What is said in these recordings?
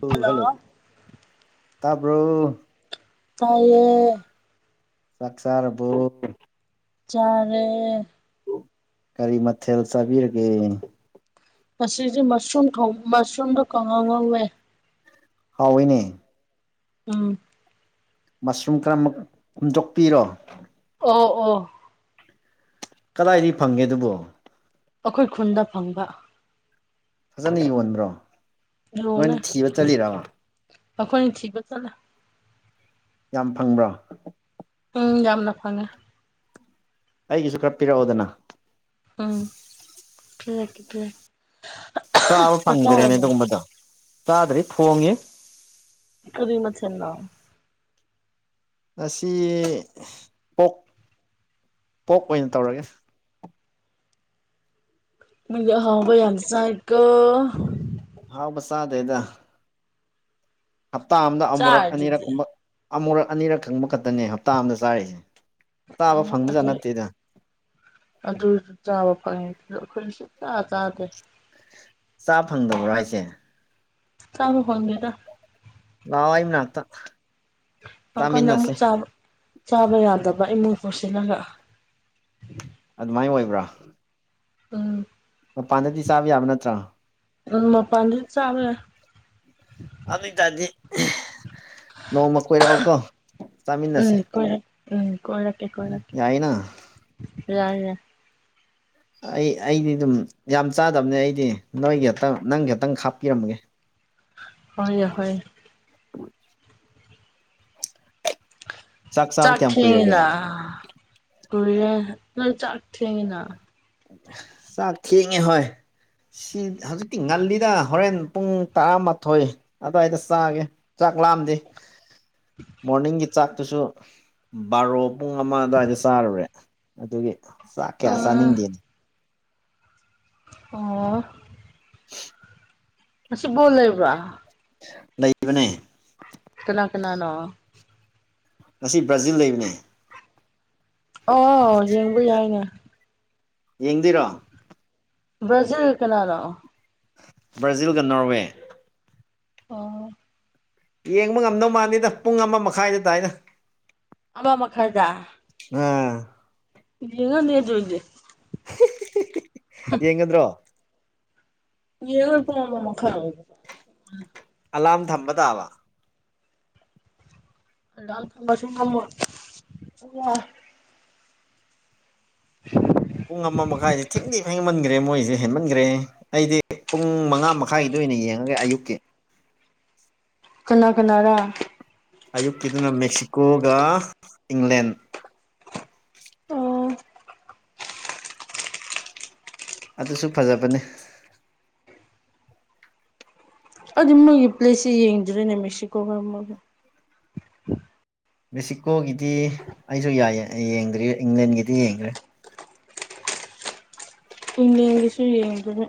ꯍ ꯍꯜꯂꯣ ꯇꯄꯣ ꯇꯌꯦ ꯁꯛꯁꯥꯔꯕꯨꯣ ꯆꯔꯦ ꯀꯔꯤ ꯃꯊꯦꯜ ꯆꯥꯕꯤꯔꯒꯦ ꯃꯁꯤꯁ ꯃꯁꯔꯨꯝ ꯊꯣꯡ ꯃꯁꯔꯨꯝꯗꯣ ꯀꯉ ꯉꯧꯋꯦ ꯍꯥꯎꯋꯏꯅꯦ ꯎꯝ ꯃꯁꯔꯨꯝ ꯈꯔꯃꯛ ꯍꯨꯝꯗꯣꯛꯄꯤꯔꯣ ꯑꯣ ꯑꯣ ꯀꯗꯥꯏꯗꯒꯤ ꯐꯪꯒꯦ ꯑꯗꯨꯕꯣ ꯑꯩꯈꯣꯏ ꯈꯨꯟꯗ ꯐꯪꯕ ꯐꯖꯅ ꯌꯣꯟꯕ꯭ꯔꯣ ꯍꯣꯂ ꯅꯣꯏꯅ ꯊꯤꯕ ꯆꯠꯂꯤꯔꯕ ꯑꯈꯣꯏꯣꯏ ꯊꯕ ꯆꯂ ꯌꯥꯝ ꯐꯪꯕ꯭ꯔꯣ ꯎꯝ ꯌꯥꯝ ꯅꯄꯅꯦ ꯑꯩꯒꯤꯁꯨ ꯈꯔ ꯄꯤꯔꯛꯑꯣꯗꯅ ꯎꯝ ꯄꯂ ꯀꯦ ꯄꯦ ꯆꯥꯕ ꯐꯪꯗ꯭ꯔꯦꯅꯦ ꯑꯗꯨꯒꯨꯝꯕꯗꯣ ꯆꯥꯗ꯭ꯔꯤ ꯊꯣꯡꯉꯦ ꯀꯔꯤ ꯃꯆꯜꯅ ꯑꯁꯤ ꯄꯣꯛ ꯄꯣꯛ ꯑꯣꯏꯅ ꯇꯧꯔꯒꯦ ꯅꯪꯗꯤ ꯑꯍꯥꯎꯕ ꯌꯥꯝ ꯆꯥꯢꯀꯣ ꯍꯥꯎꯕꯁꯗꯦꯗ ꯍꯞꯇꯥ ꯑꯃꯗ ꯑꯃꯨꯔꯛ ꯑꯅꯤꯔꯛ ꯆꯥꯔꯤꯗꯨꯗꯤ ꯀꯨꯝꯕ ꯑꯃꯨꯔꯛ ꯑꯅꯤꯔꯛ ꯀꯪꯕ ꯈꯛꯇꯅꯦ ꯍꯞꯇꯥ ꯑ ꯑꯃꯗ ꯆꯥꯔꯤꯏꯁꯦ ꯑ ꯑꯗꯨꯗ ꯑꯗꯨꯁꯨ ꯆꯥꯕ ꯐꯪꯉꯦ ꯑꯗꯨ ꯑꯩꯈꯣꯏꯅ ꯁ ꯆꯥ ꯆꯥꯗꯦ ꯆꯥ ꯐꯪꯗꯕ꯭ꯔꯥ ꯍꯥꯏꯁꯦ ꯆꯥꯡ ꯐꯪꯒꯦꯗ ꯂꯑꯣꯏꯅꯅꯥꯥꯛꯇ ꯑꯩꯈꯣꯏꯅ ꯑꯃꯨꯛꯥ ꯆꯥꯕ ꯌꯥꯗꯕ ꯏꯃꯨꯡ ꯄꯨꯠꯁꯤꯜꯂꯒ ꯑꯗꯨꯃꯥꯏꯅ ꯑꯣꯏꯕ꯭ꯔꯥ ꯎꯝ ꯃꯄꯥꯟꯗꯗꯤ ꯆꯥꯕ ꯌꯥꯕ ꯅꯠꯇ꯭ꯔꯣ ꯎ ꯄꯗ ꯆꯕ ꯑꯗꯨ ꯑꯣꯏꯇꯥꯔꯗꯤ ꯅꯣꯡꯃ ꯀꯣꯏꯔꯛꯑꯣꯀꯣ ꯌꯥꯏ ꯆꯥꯃꯤꯟꯅꯁꯦ ꯎꯝ ꯀꯣꯏꯔꯛ ꯎꯝ ꯀꯔꯀꯦ ꯀꯔꯀꯦ ꯌꯥꯏꯅ ꯌꯥ ꯌꯥ ꯑꯩ ꯑꯩꯗꯤ ꯑꯗꯨꯝ ꯌꯥꯝ ꯆꯥꯗꯕꯅꯦ ꯑꯩꯗꯤ ꯅꯣꯏꯒꯤ ꯍꯦꯛꯇꯪ ꯅꯪ ꯍꯦꯛꯇꯪ ꯍꯥꯞꯄꯤꯔꯝꯒꯦ ꯍꯍꯣꯏ ꯆꯥꯕ ꯆꯥꯛ ꯀꯌꯥꯝ ꯀꯨꯏꯔꯒꯦ ꯊꯅ ꯆꯥꯛ ꯊꯅ ꯆꯥꯛꯈꯤꯉꯦ ꯍꯣꯏ ꯁꯤ ꯍꯧꯖꯤꯛꯇꯤ ꯉꯜꯂꯤꯗ ꯍꯣꯔꯦꯟ ꯄꯨꯡ ꯇꯔꯥꯃꯥꯊꯣꯏ ꯑꯗꯨꯋꯥꯏꯗ ꯆꯥꯒꯦ ꯆꯥꯛ ꯂꯥꯛꯑꯝꯗꯤ ꯃꯣꯔꯅꯤꯡꯒꯤ ꯆꯥꯛꯇꯨꯁꯨ ꯕꯥꯔꯣ ꯄꯨꯡ ꯑꯃ ꯑꯗꯨꯋꯥꯏꯗ ꯆꯥꯔꯨꯔꯦ ꯑꯗꯨꯒꯤ ꯆ ꯑꯥ ꯀꯦꯁꯅꯤꯡꯗꯅꯤ ꯑꯣ ꯑꯁꯤ ꯣꯂꯦꯕ꯭ꯔ ꯂꯩꯕꯅꯦ ꯀꯅꯥ ꯀꯅꯥꯅꯣ ꯉꯁꯤ ꯕ꯭ꯔꯥꯖꯤꯜ ꯂꯩꯕꯅꯦ ꯑꯣ ꯌꯦꯡꯕ ꯌꯥꯏꯅꯦ ꯌꯦꯡꯗꯣꯏꯔꯣ ꯭ꯔꯖꯤꯜ ꯀꯅꯥꯂꯣ ꯕ꯭ꯔꯥꯖꯤꯜꯒ ꯅꯣꯔꯋꯦ ꯑꯣ ꯌꯦꯡꯕ ꯉꯝꯗꯧ ꯃꯥꯜꯂꯤꯗ ꯄꯨꯡ ꯑꯃ ꯃꯈꯥꯏꯗ ꯇꯗꯥꯏꯅ ꯑꯃ ꯃꯈꯥꯗ ꯑꯥ ꯌꯦꯉꯅꯤ ꯆꯣꯏꯖꯦ ꯌꯦꯡꯒꯗ꯭ꯔꯣ ꯌꯦꯉ ꯄꯉꯝꯕ ꯃꯈ ꯈꯔ ꯑꯣꯏ ꯎꯝ ꯑꯂꯥꯔꯝ ꯊꯝꯕ ꯇꯥꯕ ꯂ ꯀꯜꯕ ꯁꯒꯜꯕ ꯑꯣ [inaudible] ꯄꯨꯡ ꯑꯃ ꯃꯈꯥꯏꯁꯦ ꯊꯦꯡꯅꯤ ꯐꯦꯡꯃꯟꯒꯦ ꯔꯦ ꯃꯣꯏꯁꯦ ꯍꯦꯟꯃꯟꯈ꯭ꯔꯦ ꯑꯩꯗꯤ ꯄꯨꯡ ꯃꯉꯥ ꯃꯈꯥꯏꯒꯤꯗ ꯑꯣꯏꯅ ꯌꯦꯡꯉꯒꯦ ꯑꯌꯨꯛꯀꯤ ꯀꯅꯥ ꯀꯅꯥ ꯔ ꯑꯌꯨꯛꯀꯤꯗꯨꯅ ꯃꯦꯛꯁꯤꯀꯣꯒ ꯏꯪꯂꯦꯟ ꯑꯣ ꯑꯗꯨꯁꯨ ꯐꯖꯕꯅꯤ ꯑꯗꯨ ꯃꯣꯏꯒꯤ ꯄ꯭ꯂꯦꯁꯁꯤꯦ ꯌꯦꯡꯗ꯭ꯔꯤꯦꯅꯦ ꯃꯦꯛꯁꯤꯀꯣꯒ ꯑꯃꯒ ꯃꯦꯛꯁꯤꯀꯣꯒꯤꯗꯤ ꯑꯩꯁꯨꯏ ꯌꯦꯡꯗ꯭ꯔꯤ ꯏꯪꯂꯦꯟꯒꯤꯗꯤ ꯌꯦꯡꯗ꯭ꯔꯦ ꯀꯨꯡꯡꯂꯒꯤꯁꯨ ꯌꯦꯡꯗꯅ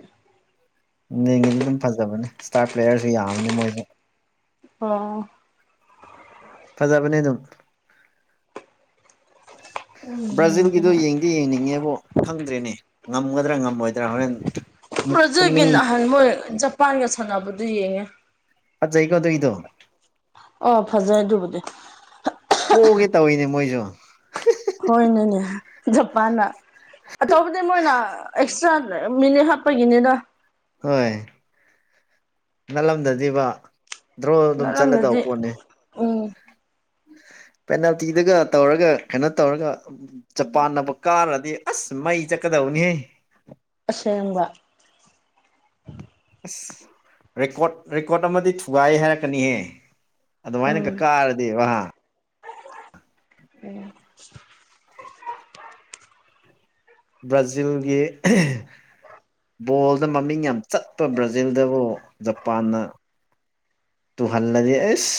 ꯌꯦꯡꯉꯤꯗꯤ ꯑꯗꯨꯝ ꯐꯖꯕꯅꯦ ꯏꯁꯇꯥꯔ ꯄ꯭ꯂꯦꯌꯔꯁꯨ ꯌꯥꯕꯅꯤ ꯃꯣꯏꯁꯨ ꯑꯣ ꯐꯖꯕꯅꯦ ꯑꯗꯨꯝ ꯕ꯭ꯔꯥꯖꯤꯜꯒꯤꯗꯣ ꯌꯦꯡꯗꯨꯅ ꯌꯦꯡ ꯗꯤ ꯌꯦꯡꯅꯤꯡꯉꯦꯕꯨ ꯈꯪꯗ꯭ꯔꯦꯅꯦ ꯉꯝꯒꯗ꯭ꯔꯥ ꯉꯝꯃꯣꯏꯗ꯭ꯔꯥ ꯍꯣꯔꯦꯟ ꯑꯃꯨꯛ ꯔꯖꯒꯤ ꯇꯨꯝꯅꯤꯡ ꯅꯍꯥꯟ ꯃꯣꯏ ꯖꯄꯥꯟꯒ ꯁꯥꯟꯅꯕꯗꯨ ꯌꯦꯡꯉꯦ ꯑ ꯑꯩ ꯀꯣꯗ ꯏꯗꯣ ꯑꯣ ꯐꯖꯩ ꯑꯗꯨꯕꯨꯗꯤ ꯄꯣꯛꯒꯦ ꯇꯧꯏꯅꯦ ꯃꯣꯏꯁꯨ ꯍꯣꯏꯅꯦꯅꯦ ꯖꯄꯥꯟꯅ ꯑꯇꯣꯞꯄꯗꯤ ꯃꯣꯏꯅ ꯑꯦꯛꯁꯇ꯭ꯔꯥ ꯃꯤꯅꯤꯠ ꯍꯥꯞꯄꯒꯤꯅꯤꯅ ꯍꯣꯏ ꯅꯅꯥꯜꯂꯝꯗꯗꯤ ꯗ꯭ꯔꯣ ꯑꯗꯨꯝ ꯆꯠꯂꯗꯕ ꯅꯠꯂꯝꯗꯗꯤ ꯄꯣꯠꯅꯤ ꯎꯝ ꯄꯦꯅꯥꯜꯇꯤꯗꯨꯒ ꯇꯧꯔꯒ ꯀꯩꯅꯣ ꯇꯧꯔꯒ ꯆꯄꯥꯟꯅꯕ ꯀꯥꯔꯗꯤ ꯑꯁ ꯃꯩ ꯆꯠꯀꯗꯧꯅꯤꯍꯦ ꯑꯁꯦꯡꯕ ꯑꯁ ꯔꯦꯀꯣꯔꯠ ꯔꯦꯀꯣꯔꯠ ꯑꯃꯗꯤ ꯊꯨꯒꯥꯏ ꯍꯥꯏꯔꯛꯀꯅꯤꯍꯦ ꯑꯗꯨꯃꯥꯏꯅꯒ ꯎꯝ ꯀꯥꯔꯗꯤ ꯋꯥꯍꯥ ꯎꯝ ꯕ꯭ꯔꯥꯖꯤꯜꯒꯤ ꯕꯣꯜꯗ ꯃꯃꯤꯡ ꯌꯥꯝ ꯆꯠꯄ ꯕ꯭ꯔꯥꯖꯤꯜꯗꯕꯨ ꯖꯄꯥꯟꯅ ꯇꯨꯍꯜꯂꯗꯤ ꯑꯦꯁ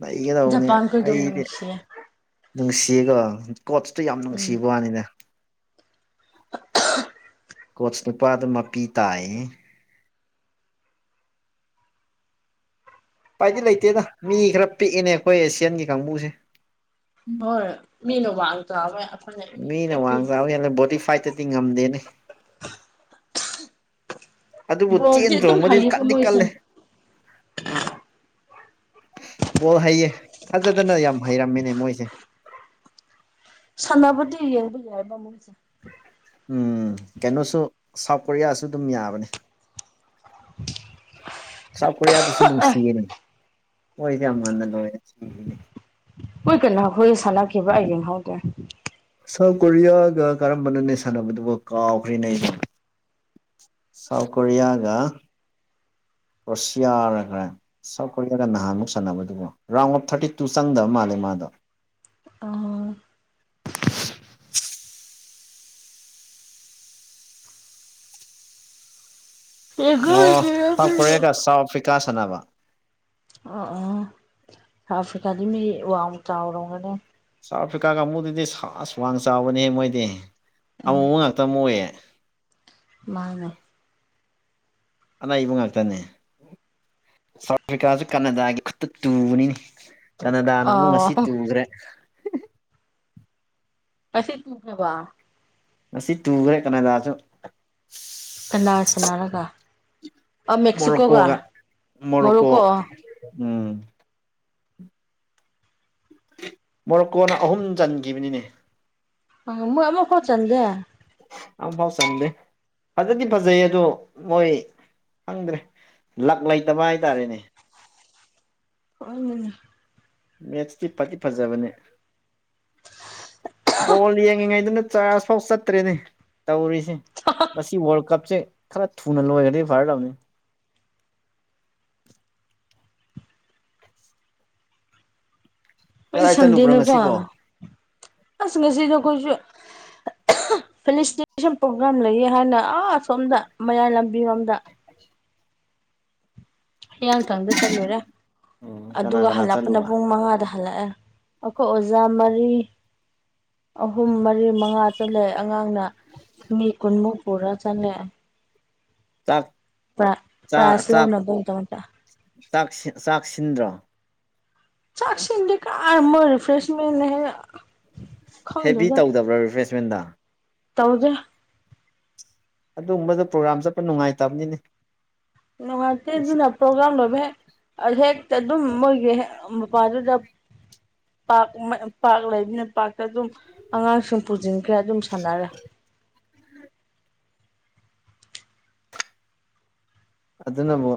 ꯂꯩꯒꯗꯧꯕꯅꯦ ꯖꯄꯥꯟ ꯈꯣꯏꯗꯣ ꯑꯩꯗꯤ ꯅꯨꯡꯁꯤꯌꯦ ꯅꯨꯡꯁꯤꯌꯦꯒ ꯀꯣꯆꯇꯣ ꯌꯥꯝ ꯎꯝ ꯅꯨꯡꯁꯤꯕ ꯋꯥꯅꯤꯅꯦ ꯀꯣꯆ ꯅꯨꯄꯥꯗ ꯃꯄꯤ ꯇꯥꯏꯌꯦ ꯄꯥꯏꯗꯤ ꯂꯩꯇꯦꯗ ꯃꯤ ꯈꯔ ꯄꯤꯛꯏꯦꯅꯦ ꯑꯩꯈꯣꯏ ꯑꯦꯁꯤꯌꯥꯟꯒꯤ ꯀꯥꯡꯕꯨꯁꯦ ꯍꯣꯏ ꯃꯤ ꯂꯣ ꯋꯥꯜ [inaudible] ꯃꯤꯅ ꯋꯥꯡ ꯆ ꯍꯦꯜꯂꯦ ꯕꯣꯗꯤꯤ ꯐꯥꯏꯠꯇꯗꯤ ꯉꯝꯗꯦꯅꯦ ꯑꯗꯨꯕꯨ ꯆꯦꯟ ꯕꯣꯜꯗꯤ ꯑꯗꯨꯝ ꯆꯣꯡꯕꯗꯤ ꯍꯩꯌꯦꯀꯣ ꯀꯟꯗꯤ ꯃꯣꯏꯁꯦ ꯀꯜꯜꯂꯤ ꯕꯣ ꯍꯩꯌꯦ ꯐꯖꯗꯅ ꯌꯥꯝ ꯍꯩꯔꯝꯃꯤꯅꯦ ꯃꯣꯏꯁꯦ ꯁꯥꯟꯅꯕꯁꯨꯗꯤ ꯌꯦꯡꯕ ꯌꯥꯑꯕ ꯃꯨꯁ ꯎꯝ ꯀꯩꯅꯣꯁꯨ ꯁꯥꯎꯠ ꯀꯣꯔꯤꯌꯥꯁꯨ ꯑꯗꯨꯝ ꯌꯥꯕꯅꯦ [inaudible] ꯁ ꯀꯔꯤꯌꯥꯗꯁꯨ ꯅꯨꯡꯁꯤꯔꯤꯅꯦ ꯃꯣꯏꯗꯤ ꯌꯥꯝ ꯉꯟꯅ ꯂꯣꯏꯦ ꯁꯤꯈꯤꯅꯤ ꯍꯣꯏ ꯀꯩꯅꯣꯈꯣꯏꯒ ꯁꯥꯟꯅꯈꯤꯕ ꯑꯩ ꯌꯦꯡꯍꯧꯗꯦ ꯁꯥꯎꯠ ꯀꯣꯔꯤꯌꯥꯒ ꯀꯔꯝꯕꯅꯅꯦ ꯁꯥꯟꯅꯕꯗꯨꯕꯨ ꯀꯥꯎꯈ꯭ꯔꯤꯅꯦ ꯑꯩꯩꯅ ꯁꯥꯎꯠ ꯀꯣꯔꯤꯌꯥꯒ ꯔꯁꯤꯌꯥꯔꯒ꯭ꯔꯦ ꯁꯥꯎꯠ ꯀꯣꯔꯤꯌꯥꯒ ꯅꯍꯥꯟꯃꯨꯛ ꯁꯥꯟꯅꯕꯗꯨꯕꯨ ꯔꯥꯎꯟ ꯑꯣꯐ ꯊꯥꯔꯇꯤ ꯇꯨ ꯆꯪꯗꯕ ꯃꯥꯜꯂꯦ ꯃꯥꯗꯣ ꯑ ꯑꯣ ꯁꯥꯎ ꯀꯔꯤꯒ ꯁꯥꯎ ꯑꯐ꯭ꯀꯥ ꯁꯅꯅꯕ ꯑꯣ ꯑꯥꯐ꯭ꯤꯀꯥꯗꯤ ꯃꯤ ꯋꯥꯡ ꯆꯥꯎꯔꯝꯒꯅꯦ ꯁꯥꯎꯠ ꯑꯐ꯭ꯔꯤꯀꯥꯒ ꯑꯃꯨꯗꯨꯗꯤ ꯁꯥꯁ ꯋꯥꯡ ꯆꯥꯎꯕꯅꯤꯍꯦ ꯃꯣꯏꯗꯤ ꯎꯝ ꯑꯃꯨꯕ ꯉꯥꯛꯇ ꯑꯃ ꯑꯣꯏꯌꯦ ꯃꯥꯅꯦ ꯑꯅꯩꯕ ꯉꯥꯛꯇꯅꯦ ꯁꯥꯎꯠ ꯑꯐ꯭ꯔꯤꯀꯥꯁꯨ ꯀꯅꯥꯗꯥꯒꯤ ꯈꯨꯠꯇ ꯇꯨꯕꯅꯤꯅꯤ ꯀꯅꯥꯗꯥꯅ ꯑ ꯑꯃꯨꯛ ꯉꯁꯤ ꯇꯨꯈ꯭ꯔꯦ ꯑꯁꯤꯁ ꯇꯨ ꯀꯕꯥ ꯃꯁꯤ ꯇꯨꯈ꯭ꯔꯦ ꯀꯅꯥꯖꯁꯨ ꯀꯂꯥꯔ ꯁꯟꯅꯔꯒ ꯃꯣꯔꯀꯣꯒ ꯃꯣꯔꯀꯣ ꯃꯣꯔꯣꯀꯣ ꯎꯝ ꯃꯣꯔꯣꯛꯀꯣꯅ ꯑꯍꯨꯝ ꯆꯟꯈꯤꯕꯅꯤꯅꯦ ꯑ ꯃꯣꯏ ꯑꯃꯃ ꯀꯟꯗ ꯌꯥꯝꯐꯥꯎ ꯆꯪꯗꯦ ꯐꯖꯗꯤ ꯐꯖꯩ ꯑꯗꯣ ꯃꯣꯏ ꯈꯪꯗ꯭ꯔꯦ ꯂꯛ ꯂꯩꯇꯕ ꯍꯥꯏꯇꯥꯔꯦꯅꯦ ꯎ ꯃꯦꯠꯁꯇꯤ ꯐꯗꯤ ꯐꯖꯕꯅꯦ ꯕꯣꯜ ꯌꯦꯡꯉꯤꯉꯩꯗꯨꯅ ꯆꯥꯔꯖ ꯐꯥꯎ ꯆꯠꯇ꯭ꯔꯦꯅꯦ ꯇꯧꯔꯤꯁꯦ ꯃꯁꯤ ꯋꯥꯔꯜ ꯀꯞꯁꯦ ꯈꯔ ꯊꯨꯅ ꯂꯣꯏꯒꯗꯣꯏ ꯐꯔꯂꯕꯅꯤ ꯑꯩ ꯀꯗꯥꯏ ꯆꯠꯂꯨꯕ꯭ꯔꯣ ꯁꯟꯗꯦꯅꯀꯣ ꯉꯁꯤꯕꯣ ꯑꯁ ꯉꯁꯤꯗ ꯑꯩꯈꯣꯏꯁꯨ ꯐꯦꯂꯤꯁꯁꯟ ꯄ꯭ꯔꯣꯒ꯭ꯔꯝ ꯂꯩꯌꯦ ꯍꯥꯏꯅ ꯑ ꯑꯁꯣꯝꯗ ꯃꯌꯥꯏ ꯂꯝꯕꯤꯔꯣꯝꯗ [unintelligible] ꯍꯤꯌꯥꯡꯊꯪꯗ ꯆꯠꯂꯨꯔꯦ ꯎꯝ ꯀꯅꯥ ꯑꯗꯨꯒ ꯀꯅꯥ ꯍꯜꯂꯛꯄꯅ ꯆꯠꯂꯨꯕ ꯄꯨꯡ ꯃꯉꯥꯗ ꯍꯜꯂꯛꯑꯦ ꯑꯩꯈꯣꯏ ꯑꯣꯖꯥ ꯃꯔꯤ ꯑꯍꯨꯝ ꯃꯔꯤ ꯃꯉꯥ ꯆꯠꯂꯦ ꯑꯉꯥꯡꯅ ꯃꯤ ꯀꯨꯟꯃꯨꯛ ꯄꯨꯔ ꯆꯜꯂꯦ ꯇꯥꯛ ꯄ꯭ꯔ ꯄ꯭ꯔꯥꯥꯏꯁ ꯂꯧꯅ [unintelligible] ꯥꯆꯥꯛꯁꯤꯟ ꯆꯥꯛꯁꯤꯟꯗ꯭ꯔꯣ ꯆꯥꯛꯁꯤꯟꯗꯤ ꯀꯥꯔ ꯃꯣꯏ ꯔꯤꯐ꯭ꯔꯦꯁꯃꯦꯟ ꯍꯦ ꯍꯦꯕꯤ ꯇꯧꯗꯕ꯭ꯔꯥ ꯔꯤꯐ꯭ꯔꯦꯁꯃꯦꯟꯗ ꯇꯧꯗꯦ ꯑꯗꯨꯒꯨꯝꯕꯗ ꯄ꯭ꯔꯣꯒꯥ꯭ꯔꯥꯝ ꯆꯠꯄ ꯅꯨꯡꯉꯥꯏꯇꯕꯅꯤꯅꯦ ꯅꯨꯡꯉꯥꯏꯇꯦ ꯑꯗꯨꯅ ꯄ꯭ꯔꯣꯒ꯭ꯔꯥꯝ ꯂꯣꯏꯕ ꯍꯦꯛ ꯍꯦꯛꯇ ꯑꯗꯨꯝ ꯃꯣꯏꯒꯤ ꯃꯄꯥꯗꯨꯗ ꯄꯥꯛ ꯄꯥꯛ ꯂꯩꯕꯅ ꯄꯥꯔꯛꯇ ꯑꯗꯨꯝ ꯑꯉꯥꯡꯁꯤꯡ ꯄꯨꯁꯤꯟꯈ꯭ꯔꯦ ꯑꯗꯨꯝ ꯁꯥꯟꯅꯔꯦ ꯑꯗꯨꯅꯕꯨ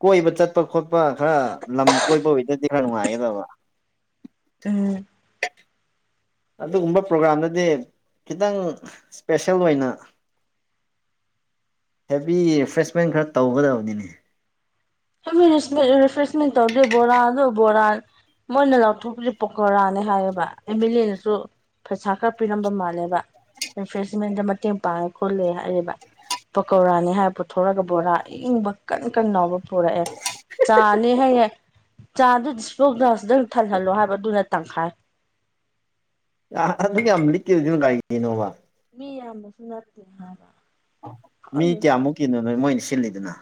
ꯀꯣꯏꯕ ꯆꯠꯄ ꯈꯣꯠꯄ ꯈꯔ ꯂꯝ ꯀꯣꯏꯕ ꯑꯣꯏꯗꯗꯤ ꯈꯔ ꯅꯨꯡꯉꯥꯏꯒꯗꯕ ꯎꯝ ꯑꯗꯨꯒꯨꯝꯕ ꯄ꯭ꯔꯣꯒꯥ꯭ꯔꯥꯝꯗꯗꯤ ꯈꯤꯇꯪ ꯏꯁꯄꯦꯁꯦꯜ ꯑꯣꯏꯅ ꯍꯦꯕꯤ ꯔꯤꯐ꯭ꯔꯦꯁꯃꯦꯟ ꯈꯔ ꯇꯧꯒꯗꯕꯅꯤꯅꯦ [unintelligible] ꯔꯤꯐ꯭ꯔꯦꯁꯃꯦꯟ ꯇꯧꯗꯦ ꯕꯣꯔꯥ ꯑꯗꯣ ꯕꯣꯔꯥ ꯃꯣꯏꯅ ꯂꯥꯎꯊꯣꯛꯄꯁꯤ ꯄꯣꯀꯣꯔꯥꯅꯦ ꯍꯥꯏꯌꯦꯕ ꯑꯦꯝ ꯑꯦꯜ ꯑꯦꯅꯁꯨ ꯄꯩꯁꯥ ꯈꯔ ꯄꯤꯔꯝꯕ ꯃꯥꯜꯂꯦꯕ ꯔꯤꯐ꯭ꯔꯦꯁꯃꯦꯟꯗ ꯃꯇꯦꯡ ꯄꯥꯡꯉꯦ ꯈꯣꯠꯂꯦ ꯍꯥꯏꯔꯤꯕ ꯄꯀꯧꯔꯥꯅꯤ ꯍꯥꯏꯕ ꯄꯨꯊꯣꯔꯒ ꯕꯣꯔꯥ ꯑ ꯏꯪꯕ ꯀꯟ ꯀꯟ ꯂꯥꯎꯕ ꯊꯣꯔꯛꯑꯦ ꯆꯥꯅꯤ ꯍꯥꯏ ꯆꯥꯗꯨ ꯗꯤꯁꯄꯣ ꯒ꯭ꯂꯥꯁꯇ ꯊꯜꯍꯜꯂꯣ ꯍꯥꯏꯕ ꯑꯗꯨꯅ ꯇꯪꯈꯥꯏ ꯑ ꯑꯗꯨꯛ ꯌꯥꯝ ꯂꯤꯛ ꯏꯗꯨ ꯀꯩꯒꯤꯅꯣꯕ ꯃꯤ [unintelligible] ꯃꯤ ꯈꯪꯗꯦꯗ ꯀꯌꯥꯃꯨꯛꯀꯤꯅꯣ ꯅꯣꯏ ꯃꯣꯏꯅ ꯁꯤꯜꯂꯤꯗꯨꯅ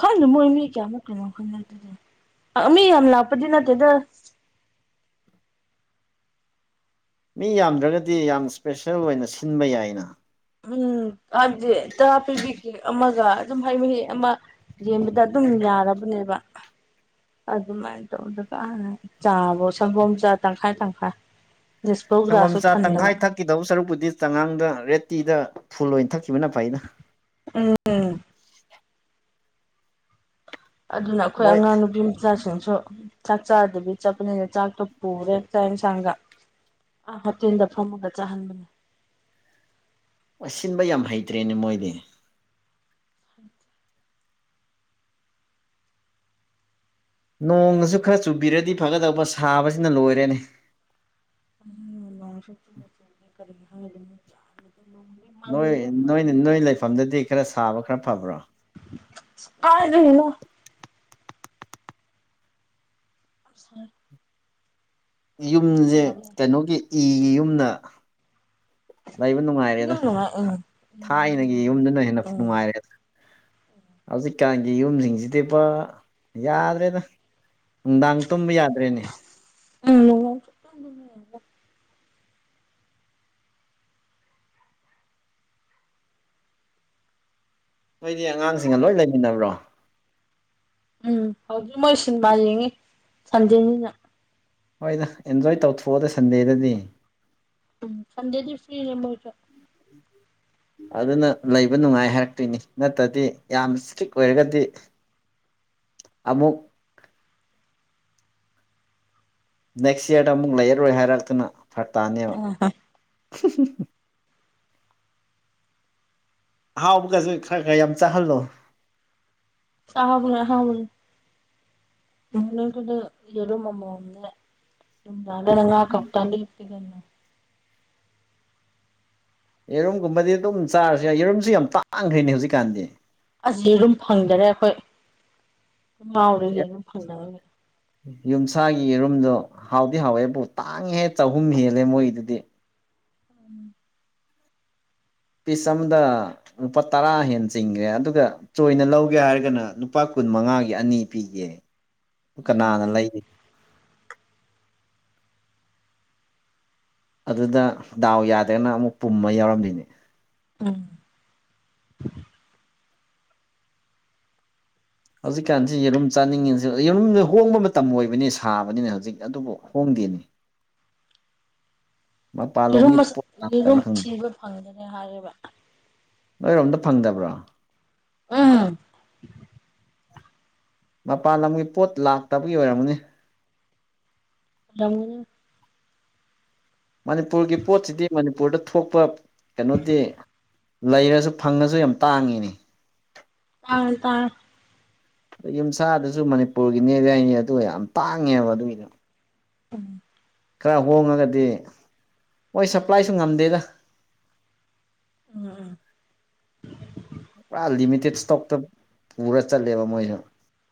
ꯈꯜꯗꯦ ꯃꯣꯏ ꯃꯤ ꯀꯌꯥꯃꯨꯛ ꯀꯤꯅꯣ ꯈꯪꯗꯦ ꯑꯗꯨꯗꯤ ꯃꯤ ꯌꯥꯝ ꯂꯥꯛꯄꯗꯤ ꯅꯠꯇꯦꯗ ꯃꯤ ꯌꯥꯝꯗ꯭ꯔꯒꯗꯤ ꯌꯥꯝ ꯏꯁꯄꯦꯁꯦꯜ ꯑꯣꯏꯅ ꯁꯤꯟꯕ ꯌꯥꯏꯅ ꯎꯝ ꯍꯥꯏꯕꯗꯤ ꯇꯔꯥ ꯄꯤꯕꯤꯒꯦ ꯑꯃꯒ ꯑꯗꯨꯝ ꯍꯩ ꯃꯍꯤ ꯑꯃ ꯌꯦꯟꯕꯗ ꯑꯗꯨꯝ ꯌꯥꯔꯕꯅꯦꯕ ꯑꯗꯨꯃꯥꯏꯅ ꯇꯧꯗꯒ ꯆꯥꯕ ꯁꯪꯒꯣꯝ ꯆꯥ ꯇꯪꯈꯥꯏ ꯇꯪꯈꯥꯏ ꯗꯤꯁꯄꯧ ꯒ꯭ꯂꯥꯁꯁꯨ ꯊꯟꯗꯕ ꯆꯛꯈꯤꯗꯕ ꯁꯔꯨꯛꯄꯨꯗꯤ ꯆꯉꯥꯡꯗ ꯔꯦꯠ ꯇꯤꯗ ꯐꯨꯜ ꯑꯣꯏꯅ ꯊꯛꯈꯤꯕꯅ ꯐꯩꯩꯅ ꯎꯝ ꯑꯗꯨꯅ ꯑꯩꯈꯣꯏ ꯃꯣꯏ ꯑꯉꯥꯡ ꯅꯨꯄꯤ ꯃꯆꯥꯁꯤꯡꯁꯨ ꯆꯥꯛ ꯆꯥꯗꯕꯤ ꯆꯠꯄꯅꯤꯅ ꯆꯥꯛꯇꯣ ꯄꯨꯔꯦ ꯆꯥꯛ ꯏꯟꯁꯥꯡꯒ ꯑꯥ ꯍꯣꯇꯦꯜꯗ ꯐꯝꯃꯒ ꯆꯥꯍꯟꯕꯅꯦ ꯁꯤꯟꯕ ꯌꯥꯝ ꯍꯩꯇ꯭ꯔꯦꯅꯦ ꯃꯣꯏꯗꯤ ꯅꯣꯡꯒꯁꯨ ꯈꯔ ꯆꯨꯕꯤꯔꯗꯤ ꯐꯒꯗꯧꯕ ꯁꯥꯕꯁꯤꯅ ꯂꯣꯏꯔꯦꯅꯦ [unintelligible] ꯅꯣꯏ ꯅꯣꯏ ꯅꯣꯏ ꯂꯩꯐꯝꯗꯗꯤ ꯈꯔ ꯁꯥꯕ ꯈꯔ ꯐꯕ꯭ꯔꯣ [unintelligible] ꯀꯥꯏꯗꯩꯅꯣ [unintelligible] ꯑꯩ ꯇꯨꯝꯕ ꯌꯨꯝꯖꯦ ꯌꯥꯔꯦ ꯀꯩꯅꯣꯒꯤ ꯏꯒꯤ ꯌꯨꯝꯅ ꯂꯩꯕ ꯅꯨꯡꯉꯥꯏꯔꯦꯗ ꯏꯅꯨꯡ ꯅꯨꯡꯉꯥꯏ ꯎꯝ ꯎꯝ ꯊꯥꯏꯅꯒꯤ ꯍꯧꯖꯤꯛꯇꯤ ꯌꯨꯝꯗꯨꯅ ꯍꯦꯟꯅ ꯎꯝ ꯅꯨꯡꯉꯥꯏꯔꯦꯗ ꯍꯧꯖꯤꯛꯀꯥꯟꯒꯤ ꯌꯨꯝꯖꯤꯡꯖꯤꯗꯤ ꯄꯨꯔ ꯌꯥꯗ꯭ꯔꯦꯗ ꯅꯨꯡꯗꯥꯡ ꯇꯨꯝꯕ ꯌꯥꯗ꯭ꯔꯦꯅꯦ ꯎꯝ [inaudible] ꯅꯣꯏꯗꯤ ꯑꯉꯥꯡꯁꯤꯡꯒ ꯂꯣꯏ ꯂꯩꯃꯤꯟꯅꯕ꯭ꯔꯣ ꯎꯝ ꯍꯧꯖꯤꯛ ꯃꯣꯏ ꯁꯤꯟꯃ ꯌꯦꯡꯉꯤ ꯁꯟꯗꯦꯟꯅꯤꯅ ꯍꯣꯏꯗ ꯑꯦꯟꯖꯣꯏ ꯇꯧꯊꯣꯛꯑꯣꯗ ꯁꯟꯗꯦꯗꯗꯤ ꯎꯝ ꯁꯟꯗꯦꯗꯤ ꯐꯔꯤꯅꯦ ꯃꯣꯏꯁꯨ ꯑꯗꯨꯅ ꯂꯩꯕ ꯅꯨꯡꯉꯥꯏ ꯍꯥꯏꯔꯛꯇꯣꯏꯅꯤ ꯅꯠꯇ꯭ꯔꯗꯤ ꯌꯥꯝ ꯏꯁꯇ꯭ꯔꯤꯛ ꯑꯣꯏꯔꯒꯗꯤ ꯑꯝꯃꯨꯛ ꯅꯦꯛꯁ ꯌꯥꯔꯗ ꯑꯃꯨꯛ ꯂꯩꯔꯣꯏ ꯍꯥꯏꯔꯛꯇꯨꯅ ꯐꯔ꯭ꯛ ꯇꯥꯅꯦꯕ [unintelligible] [unintelligible] ꯑꯍꯥꯎꯕꯒꯁꯨ ꯈꯔ-ꯈꯔ ꯌꯥꯝ ꯆꯥꯍꯜꯂꯣ [unintelligible] ꯑꯥꯎꯕꯗꯤ [unintelligible] ꯌꯦꯔꯨꯝ ꯑꯃꯝꯅꯦ ꯅꯨꯡꯗꯥꯡ ꯗꯅ ꯉꯥ ꯀꯣꯞꯇꯥꯗ ꯌꯦꯔꯨꯝꯒꯨꯝꯕꯗꯤ ꯑꯗꯨꯝ ꯆꯥꯔꯁꯨ ꯌꯥꯏ ꯌꯦꯔꯨꯝꯁꯨ ꯌꯥꯝ ꯇꯥꯡꯈ꯭ꯔꯦꯅꯦ ꯍꯧꯖꯤꯛꯀꯥꯟꯗꯤ ꯑꯁꯤ ꯌꯦꯔꯨꯝ ꯐꯪꯗꯔꯦ ꯑꯩꯈꯣꯏ ꯉꯥꯎꯔꯤꯒ ꯌꯦꯔꯨꯝ ꯐꯪꯗꯕꯒꯤ ꯌꯨꯝꯁꯥꯒꯤ ꯔꯨꯝꯗꯣ ꯍꯥꯎꯗꯤ ꯍꯥꯎꯋꯦꯕꯨ ꯇꯥꯡꯍꯦ ꯆꯍꯨꯝ ꯍꯦꯜꯂꯦ ꯃꯣꯏꯒꯤꯗꯨꯗꯤ ꯎꯝ ꯄꯤꯁ ꯑꯝꯗ ꯂꯨꯄꯥ ꯇꯔꯥ ꯍꯦꯟꯅ ꯆꯤꯡꯈ꯭ꯔꯦ ꯑꯗꯨꯒ ꯆꯣꯏꯅ ꯂꯧꯒꯦ ꯍꯥꯏꯔꯒꯅ ꯂꯨꯄꯥ ꯀꯨꯟ ꯃꯉꯥꯒꯤ ꯑꯅꯤ ꯄꯤꯒꯦ ꯀꯅꯥꯅ ꯎꯝ ꯂꯩꯒ ꯑꯗꯨꯗ ꯗꯥꯎ ꯌꯥꯗꯒꯅ ꯑꯃꯨꯛ ꯄꯨꯝꯕ ꯌꯥꯎꯔꯝꯃꯤꯅꯤ ꯎꯝ ꯍꯧꯖꯤꯛꯀꯥꯟꯁꯤ ꯌꯦꯔꯨꯝ ꯆꯥꯅꯤꯡꯉꯤꯁꯤ ꯌꯦꯔꯨꯝꯗ ꯍꯣꯡꯕ ꯃꯇꯝ ꯑꯣꯏꯕꯅꯤ ꯁꯥꯕꯅꯤꯅ ꯍꯧꯖꯤꯛ ꯑꯗꯨꯕꯨ ꯍꯣꯡꯗꯦꯅꯤ [inaudible] ꯃꯄꯥꯟꯂꯣꯝꯒꯤ ꯄꯣꯠ ꯌꯦꯔꯨꯝ-ꯌꯦꯔꯨꯝ ꯂꯥꯛꯇꯕ꯭ꯔꯥ [inaudible] ꯈꯪꯗꯦ ꯊꯤꯕ ꯐꯪꯒꯅꯤ ꯍꯥꯏꯔꯤꯕ ꯅꯣꯏꯔꯣꯝꯗ ꯐꯪꯗꯕ꯭ꯔꯣ ꯎꯝ ꯃꯄꯥꯟ ꯂꯝꯒꯤ ꯄꯣꯠ ꯂꯥꯛꯇꯕꯒꯤ ꯑꯣꯏꯔꯝꯃꯅꯤ ꯔꯝꯒꯅꯤ ꯃꯅꯤꯄꯨꯔꯒꯤ ꯄꯣꯠꯁꯤꯗꯤ ꯃꯅꯤꯄꯨꯔꯗ ꯊꯣꯛꯄ ꯀꯩꯅꯣꯗꯤ ꯂꯩꯔꯁꯨ ꯐꯪꯉꯁꯨ ꯌꯥꯝ ꯇꯥꯡꯉꯤꯅꯤ ꯇꯥꯡ ꯇꯥꯡ ꯌꯨꯝꯁꯥꯗꯨꯁꯨ ꯃꯅꯤꯄꯨꯔꯒꯤꯅꯦꯕ ꯌꯥꯏꯅꯦ ꯑꯗꯨꯒ ꯌꯥꯝ ꯇꯥꯡꯉꯦꯕ ꯑꯗꯨꯒꯤꯗ ꯎꯝ ꯈꯔ ꯍꯣꯡꯉꯒꯗꯤ ꯃꯣꯏ ꯁꯄ꯭ꯂꯥꯏꯁꯨ ꯉꯝꯗꯦꯗ ꯎꯝ ꯎꯝ ꯄꯨꯔꯥ ꯂꯤꯃꯤꯇꯦꯠ ꯏꯁꯇꯣꯛꯇ ꯄꯨꯔ ꯆꯠꯂꯦꯕ ꯃꯣꯏꯁꯨ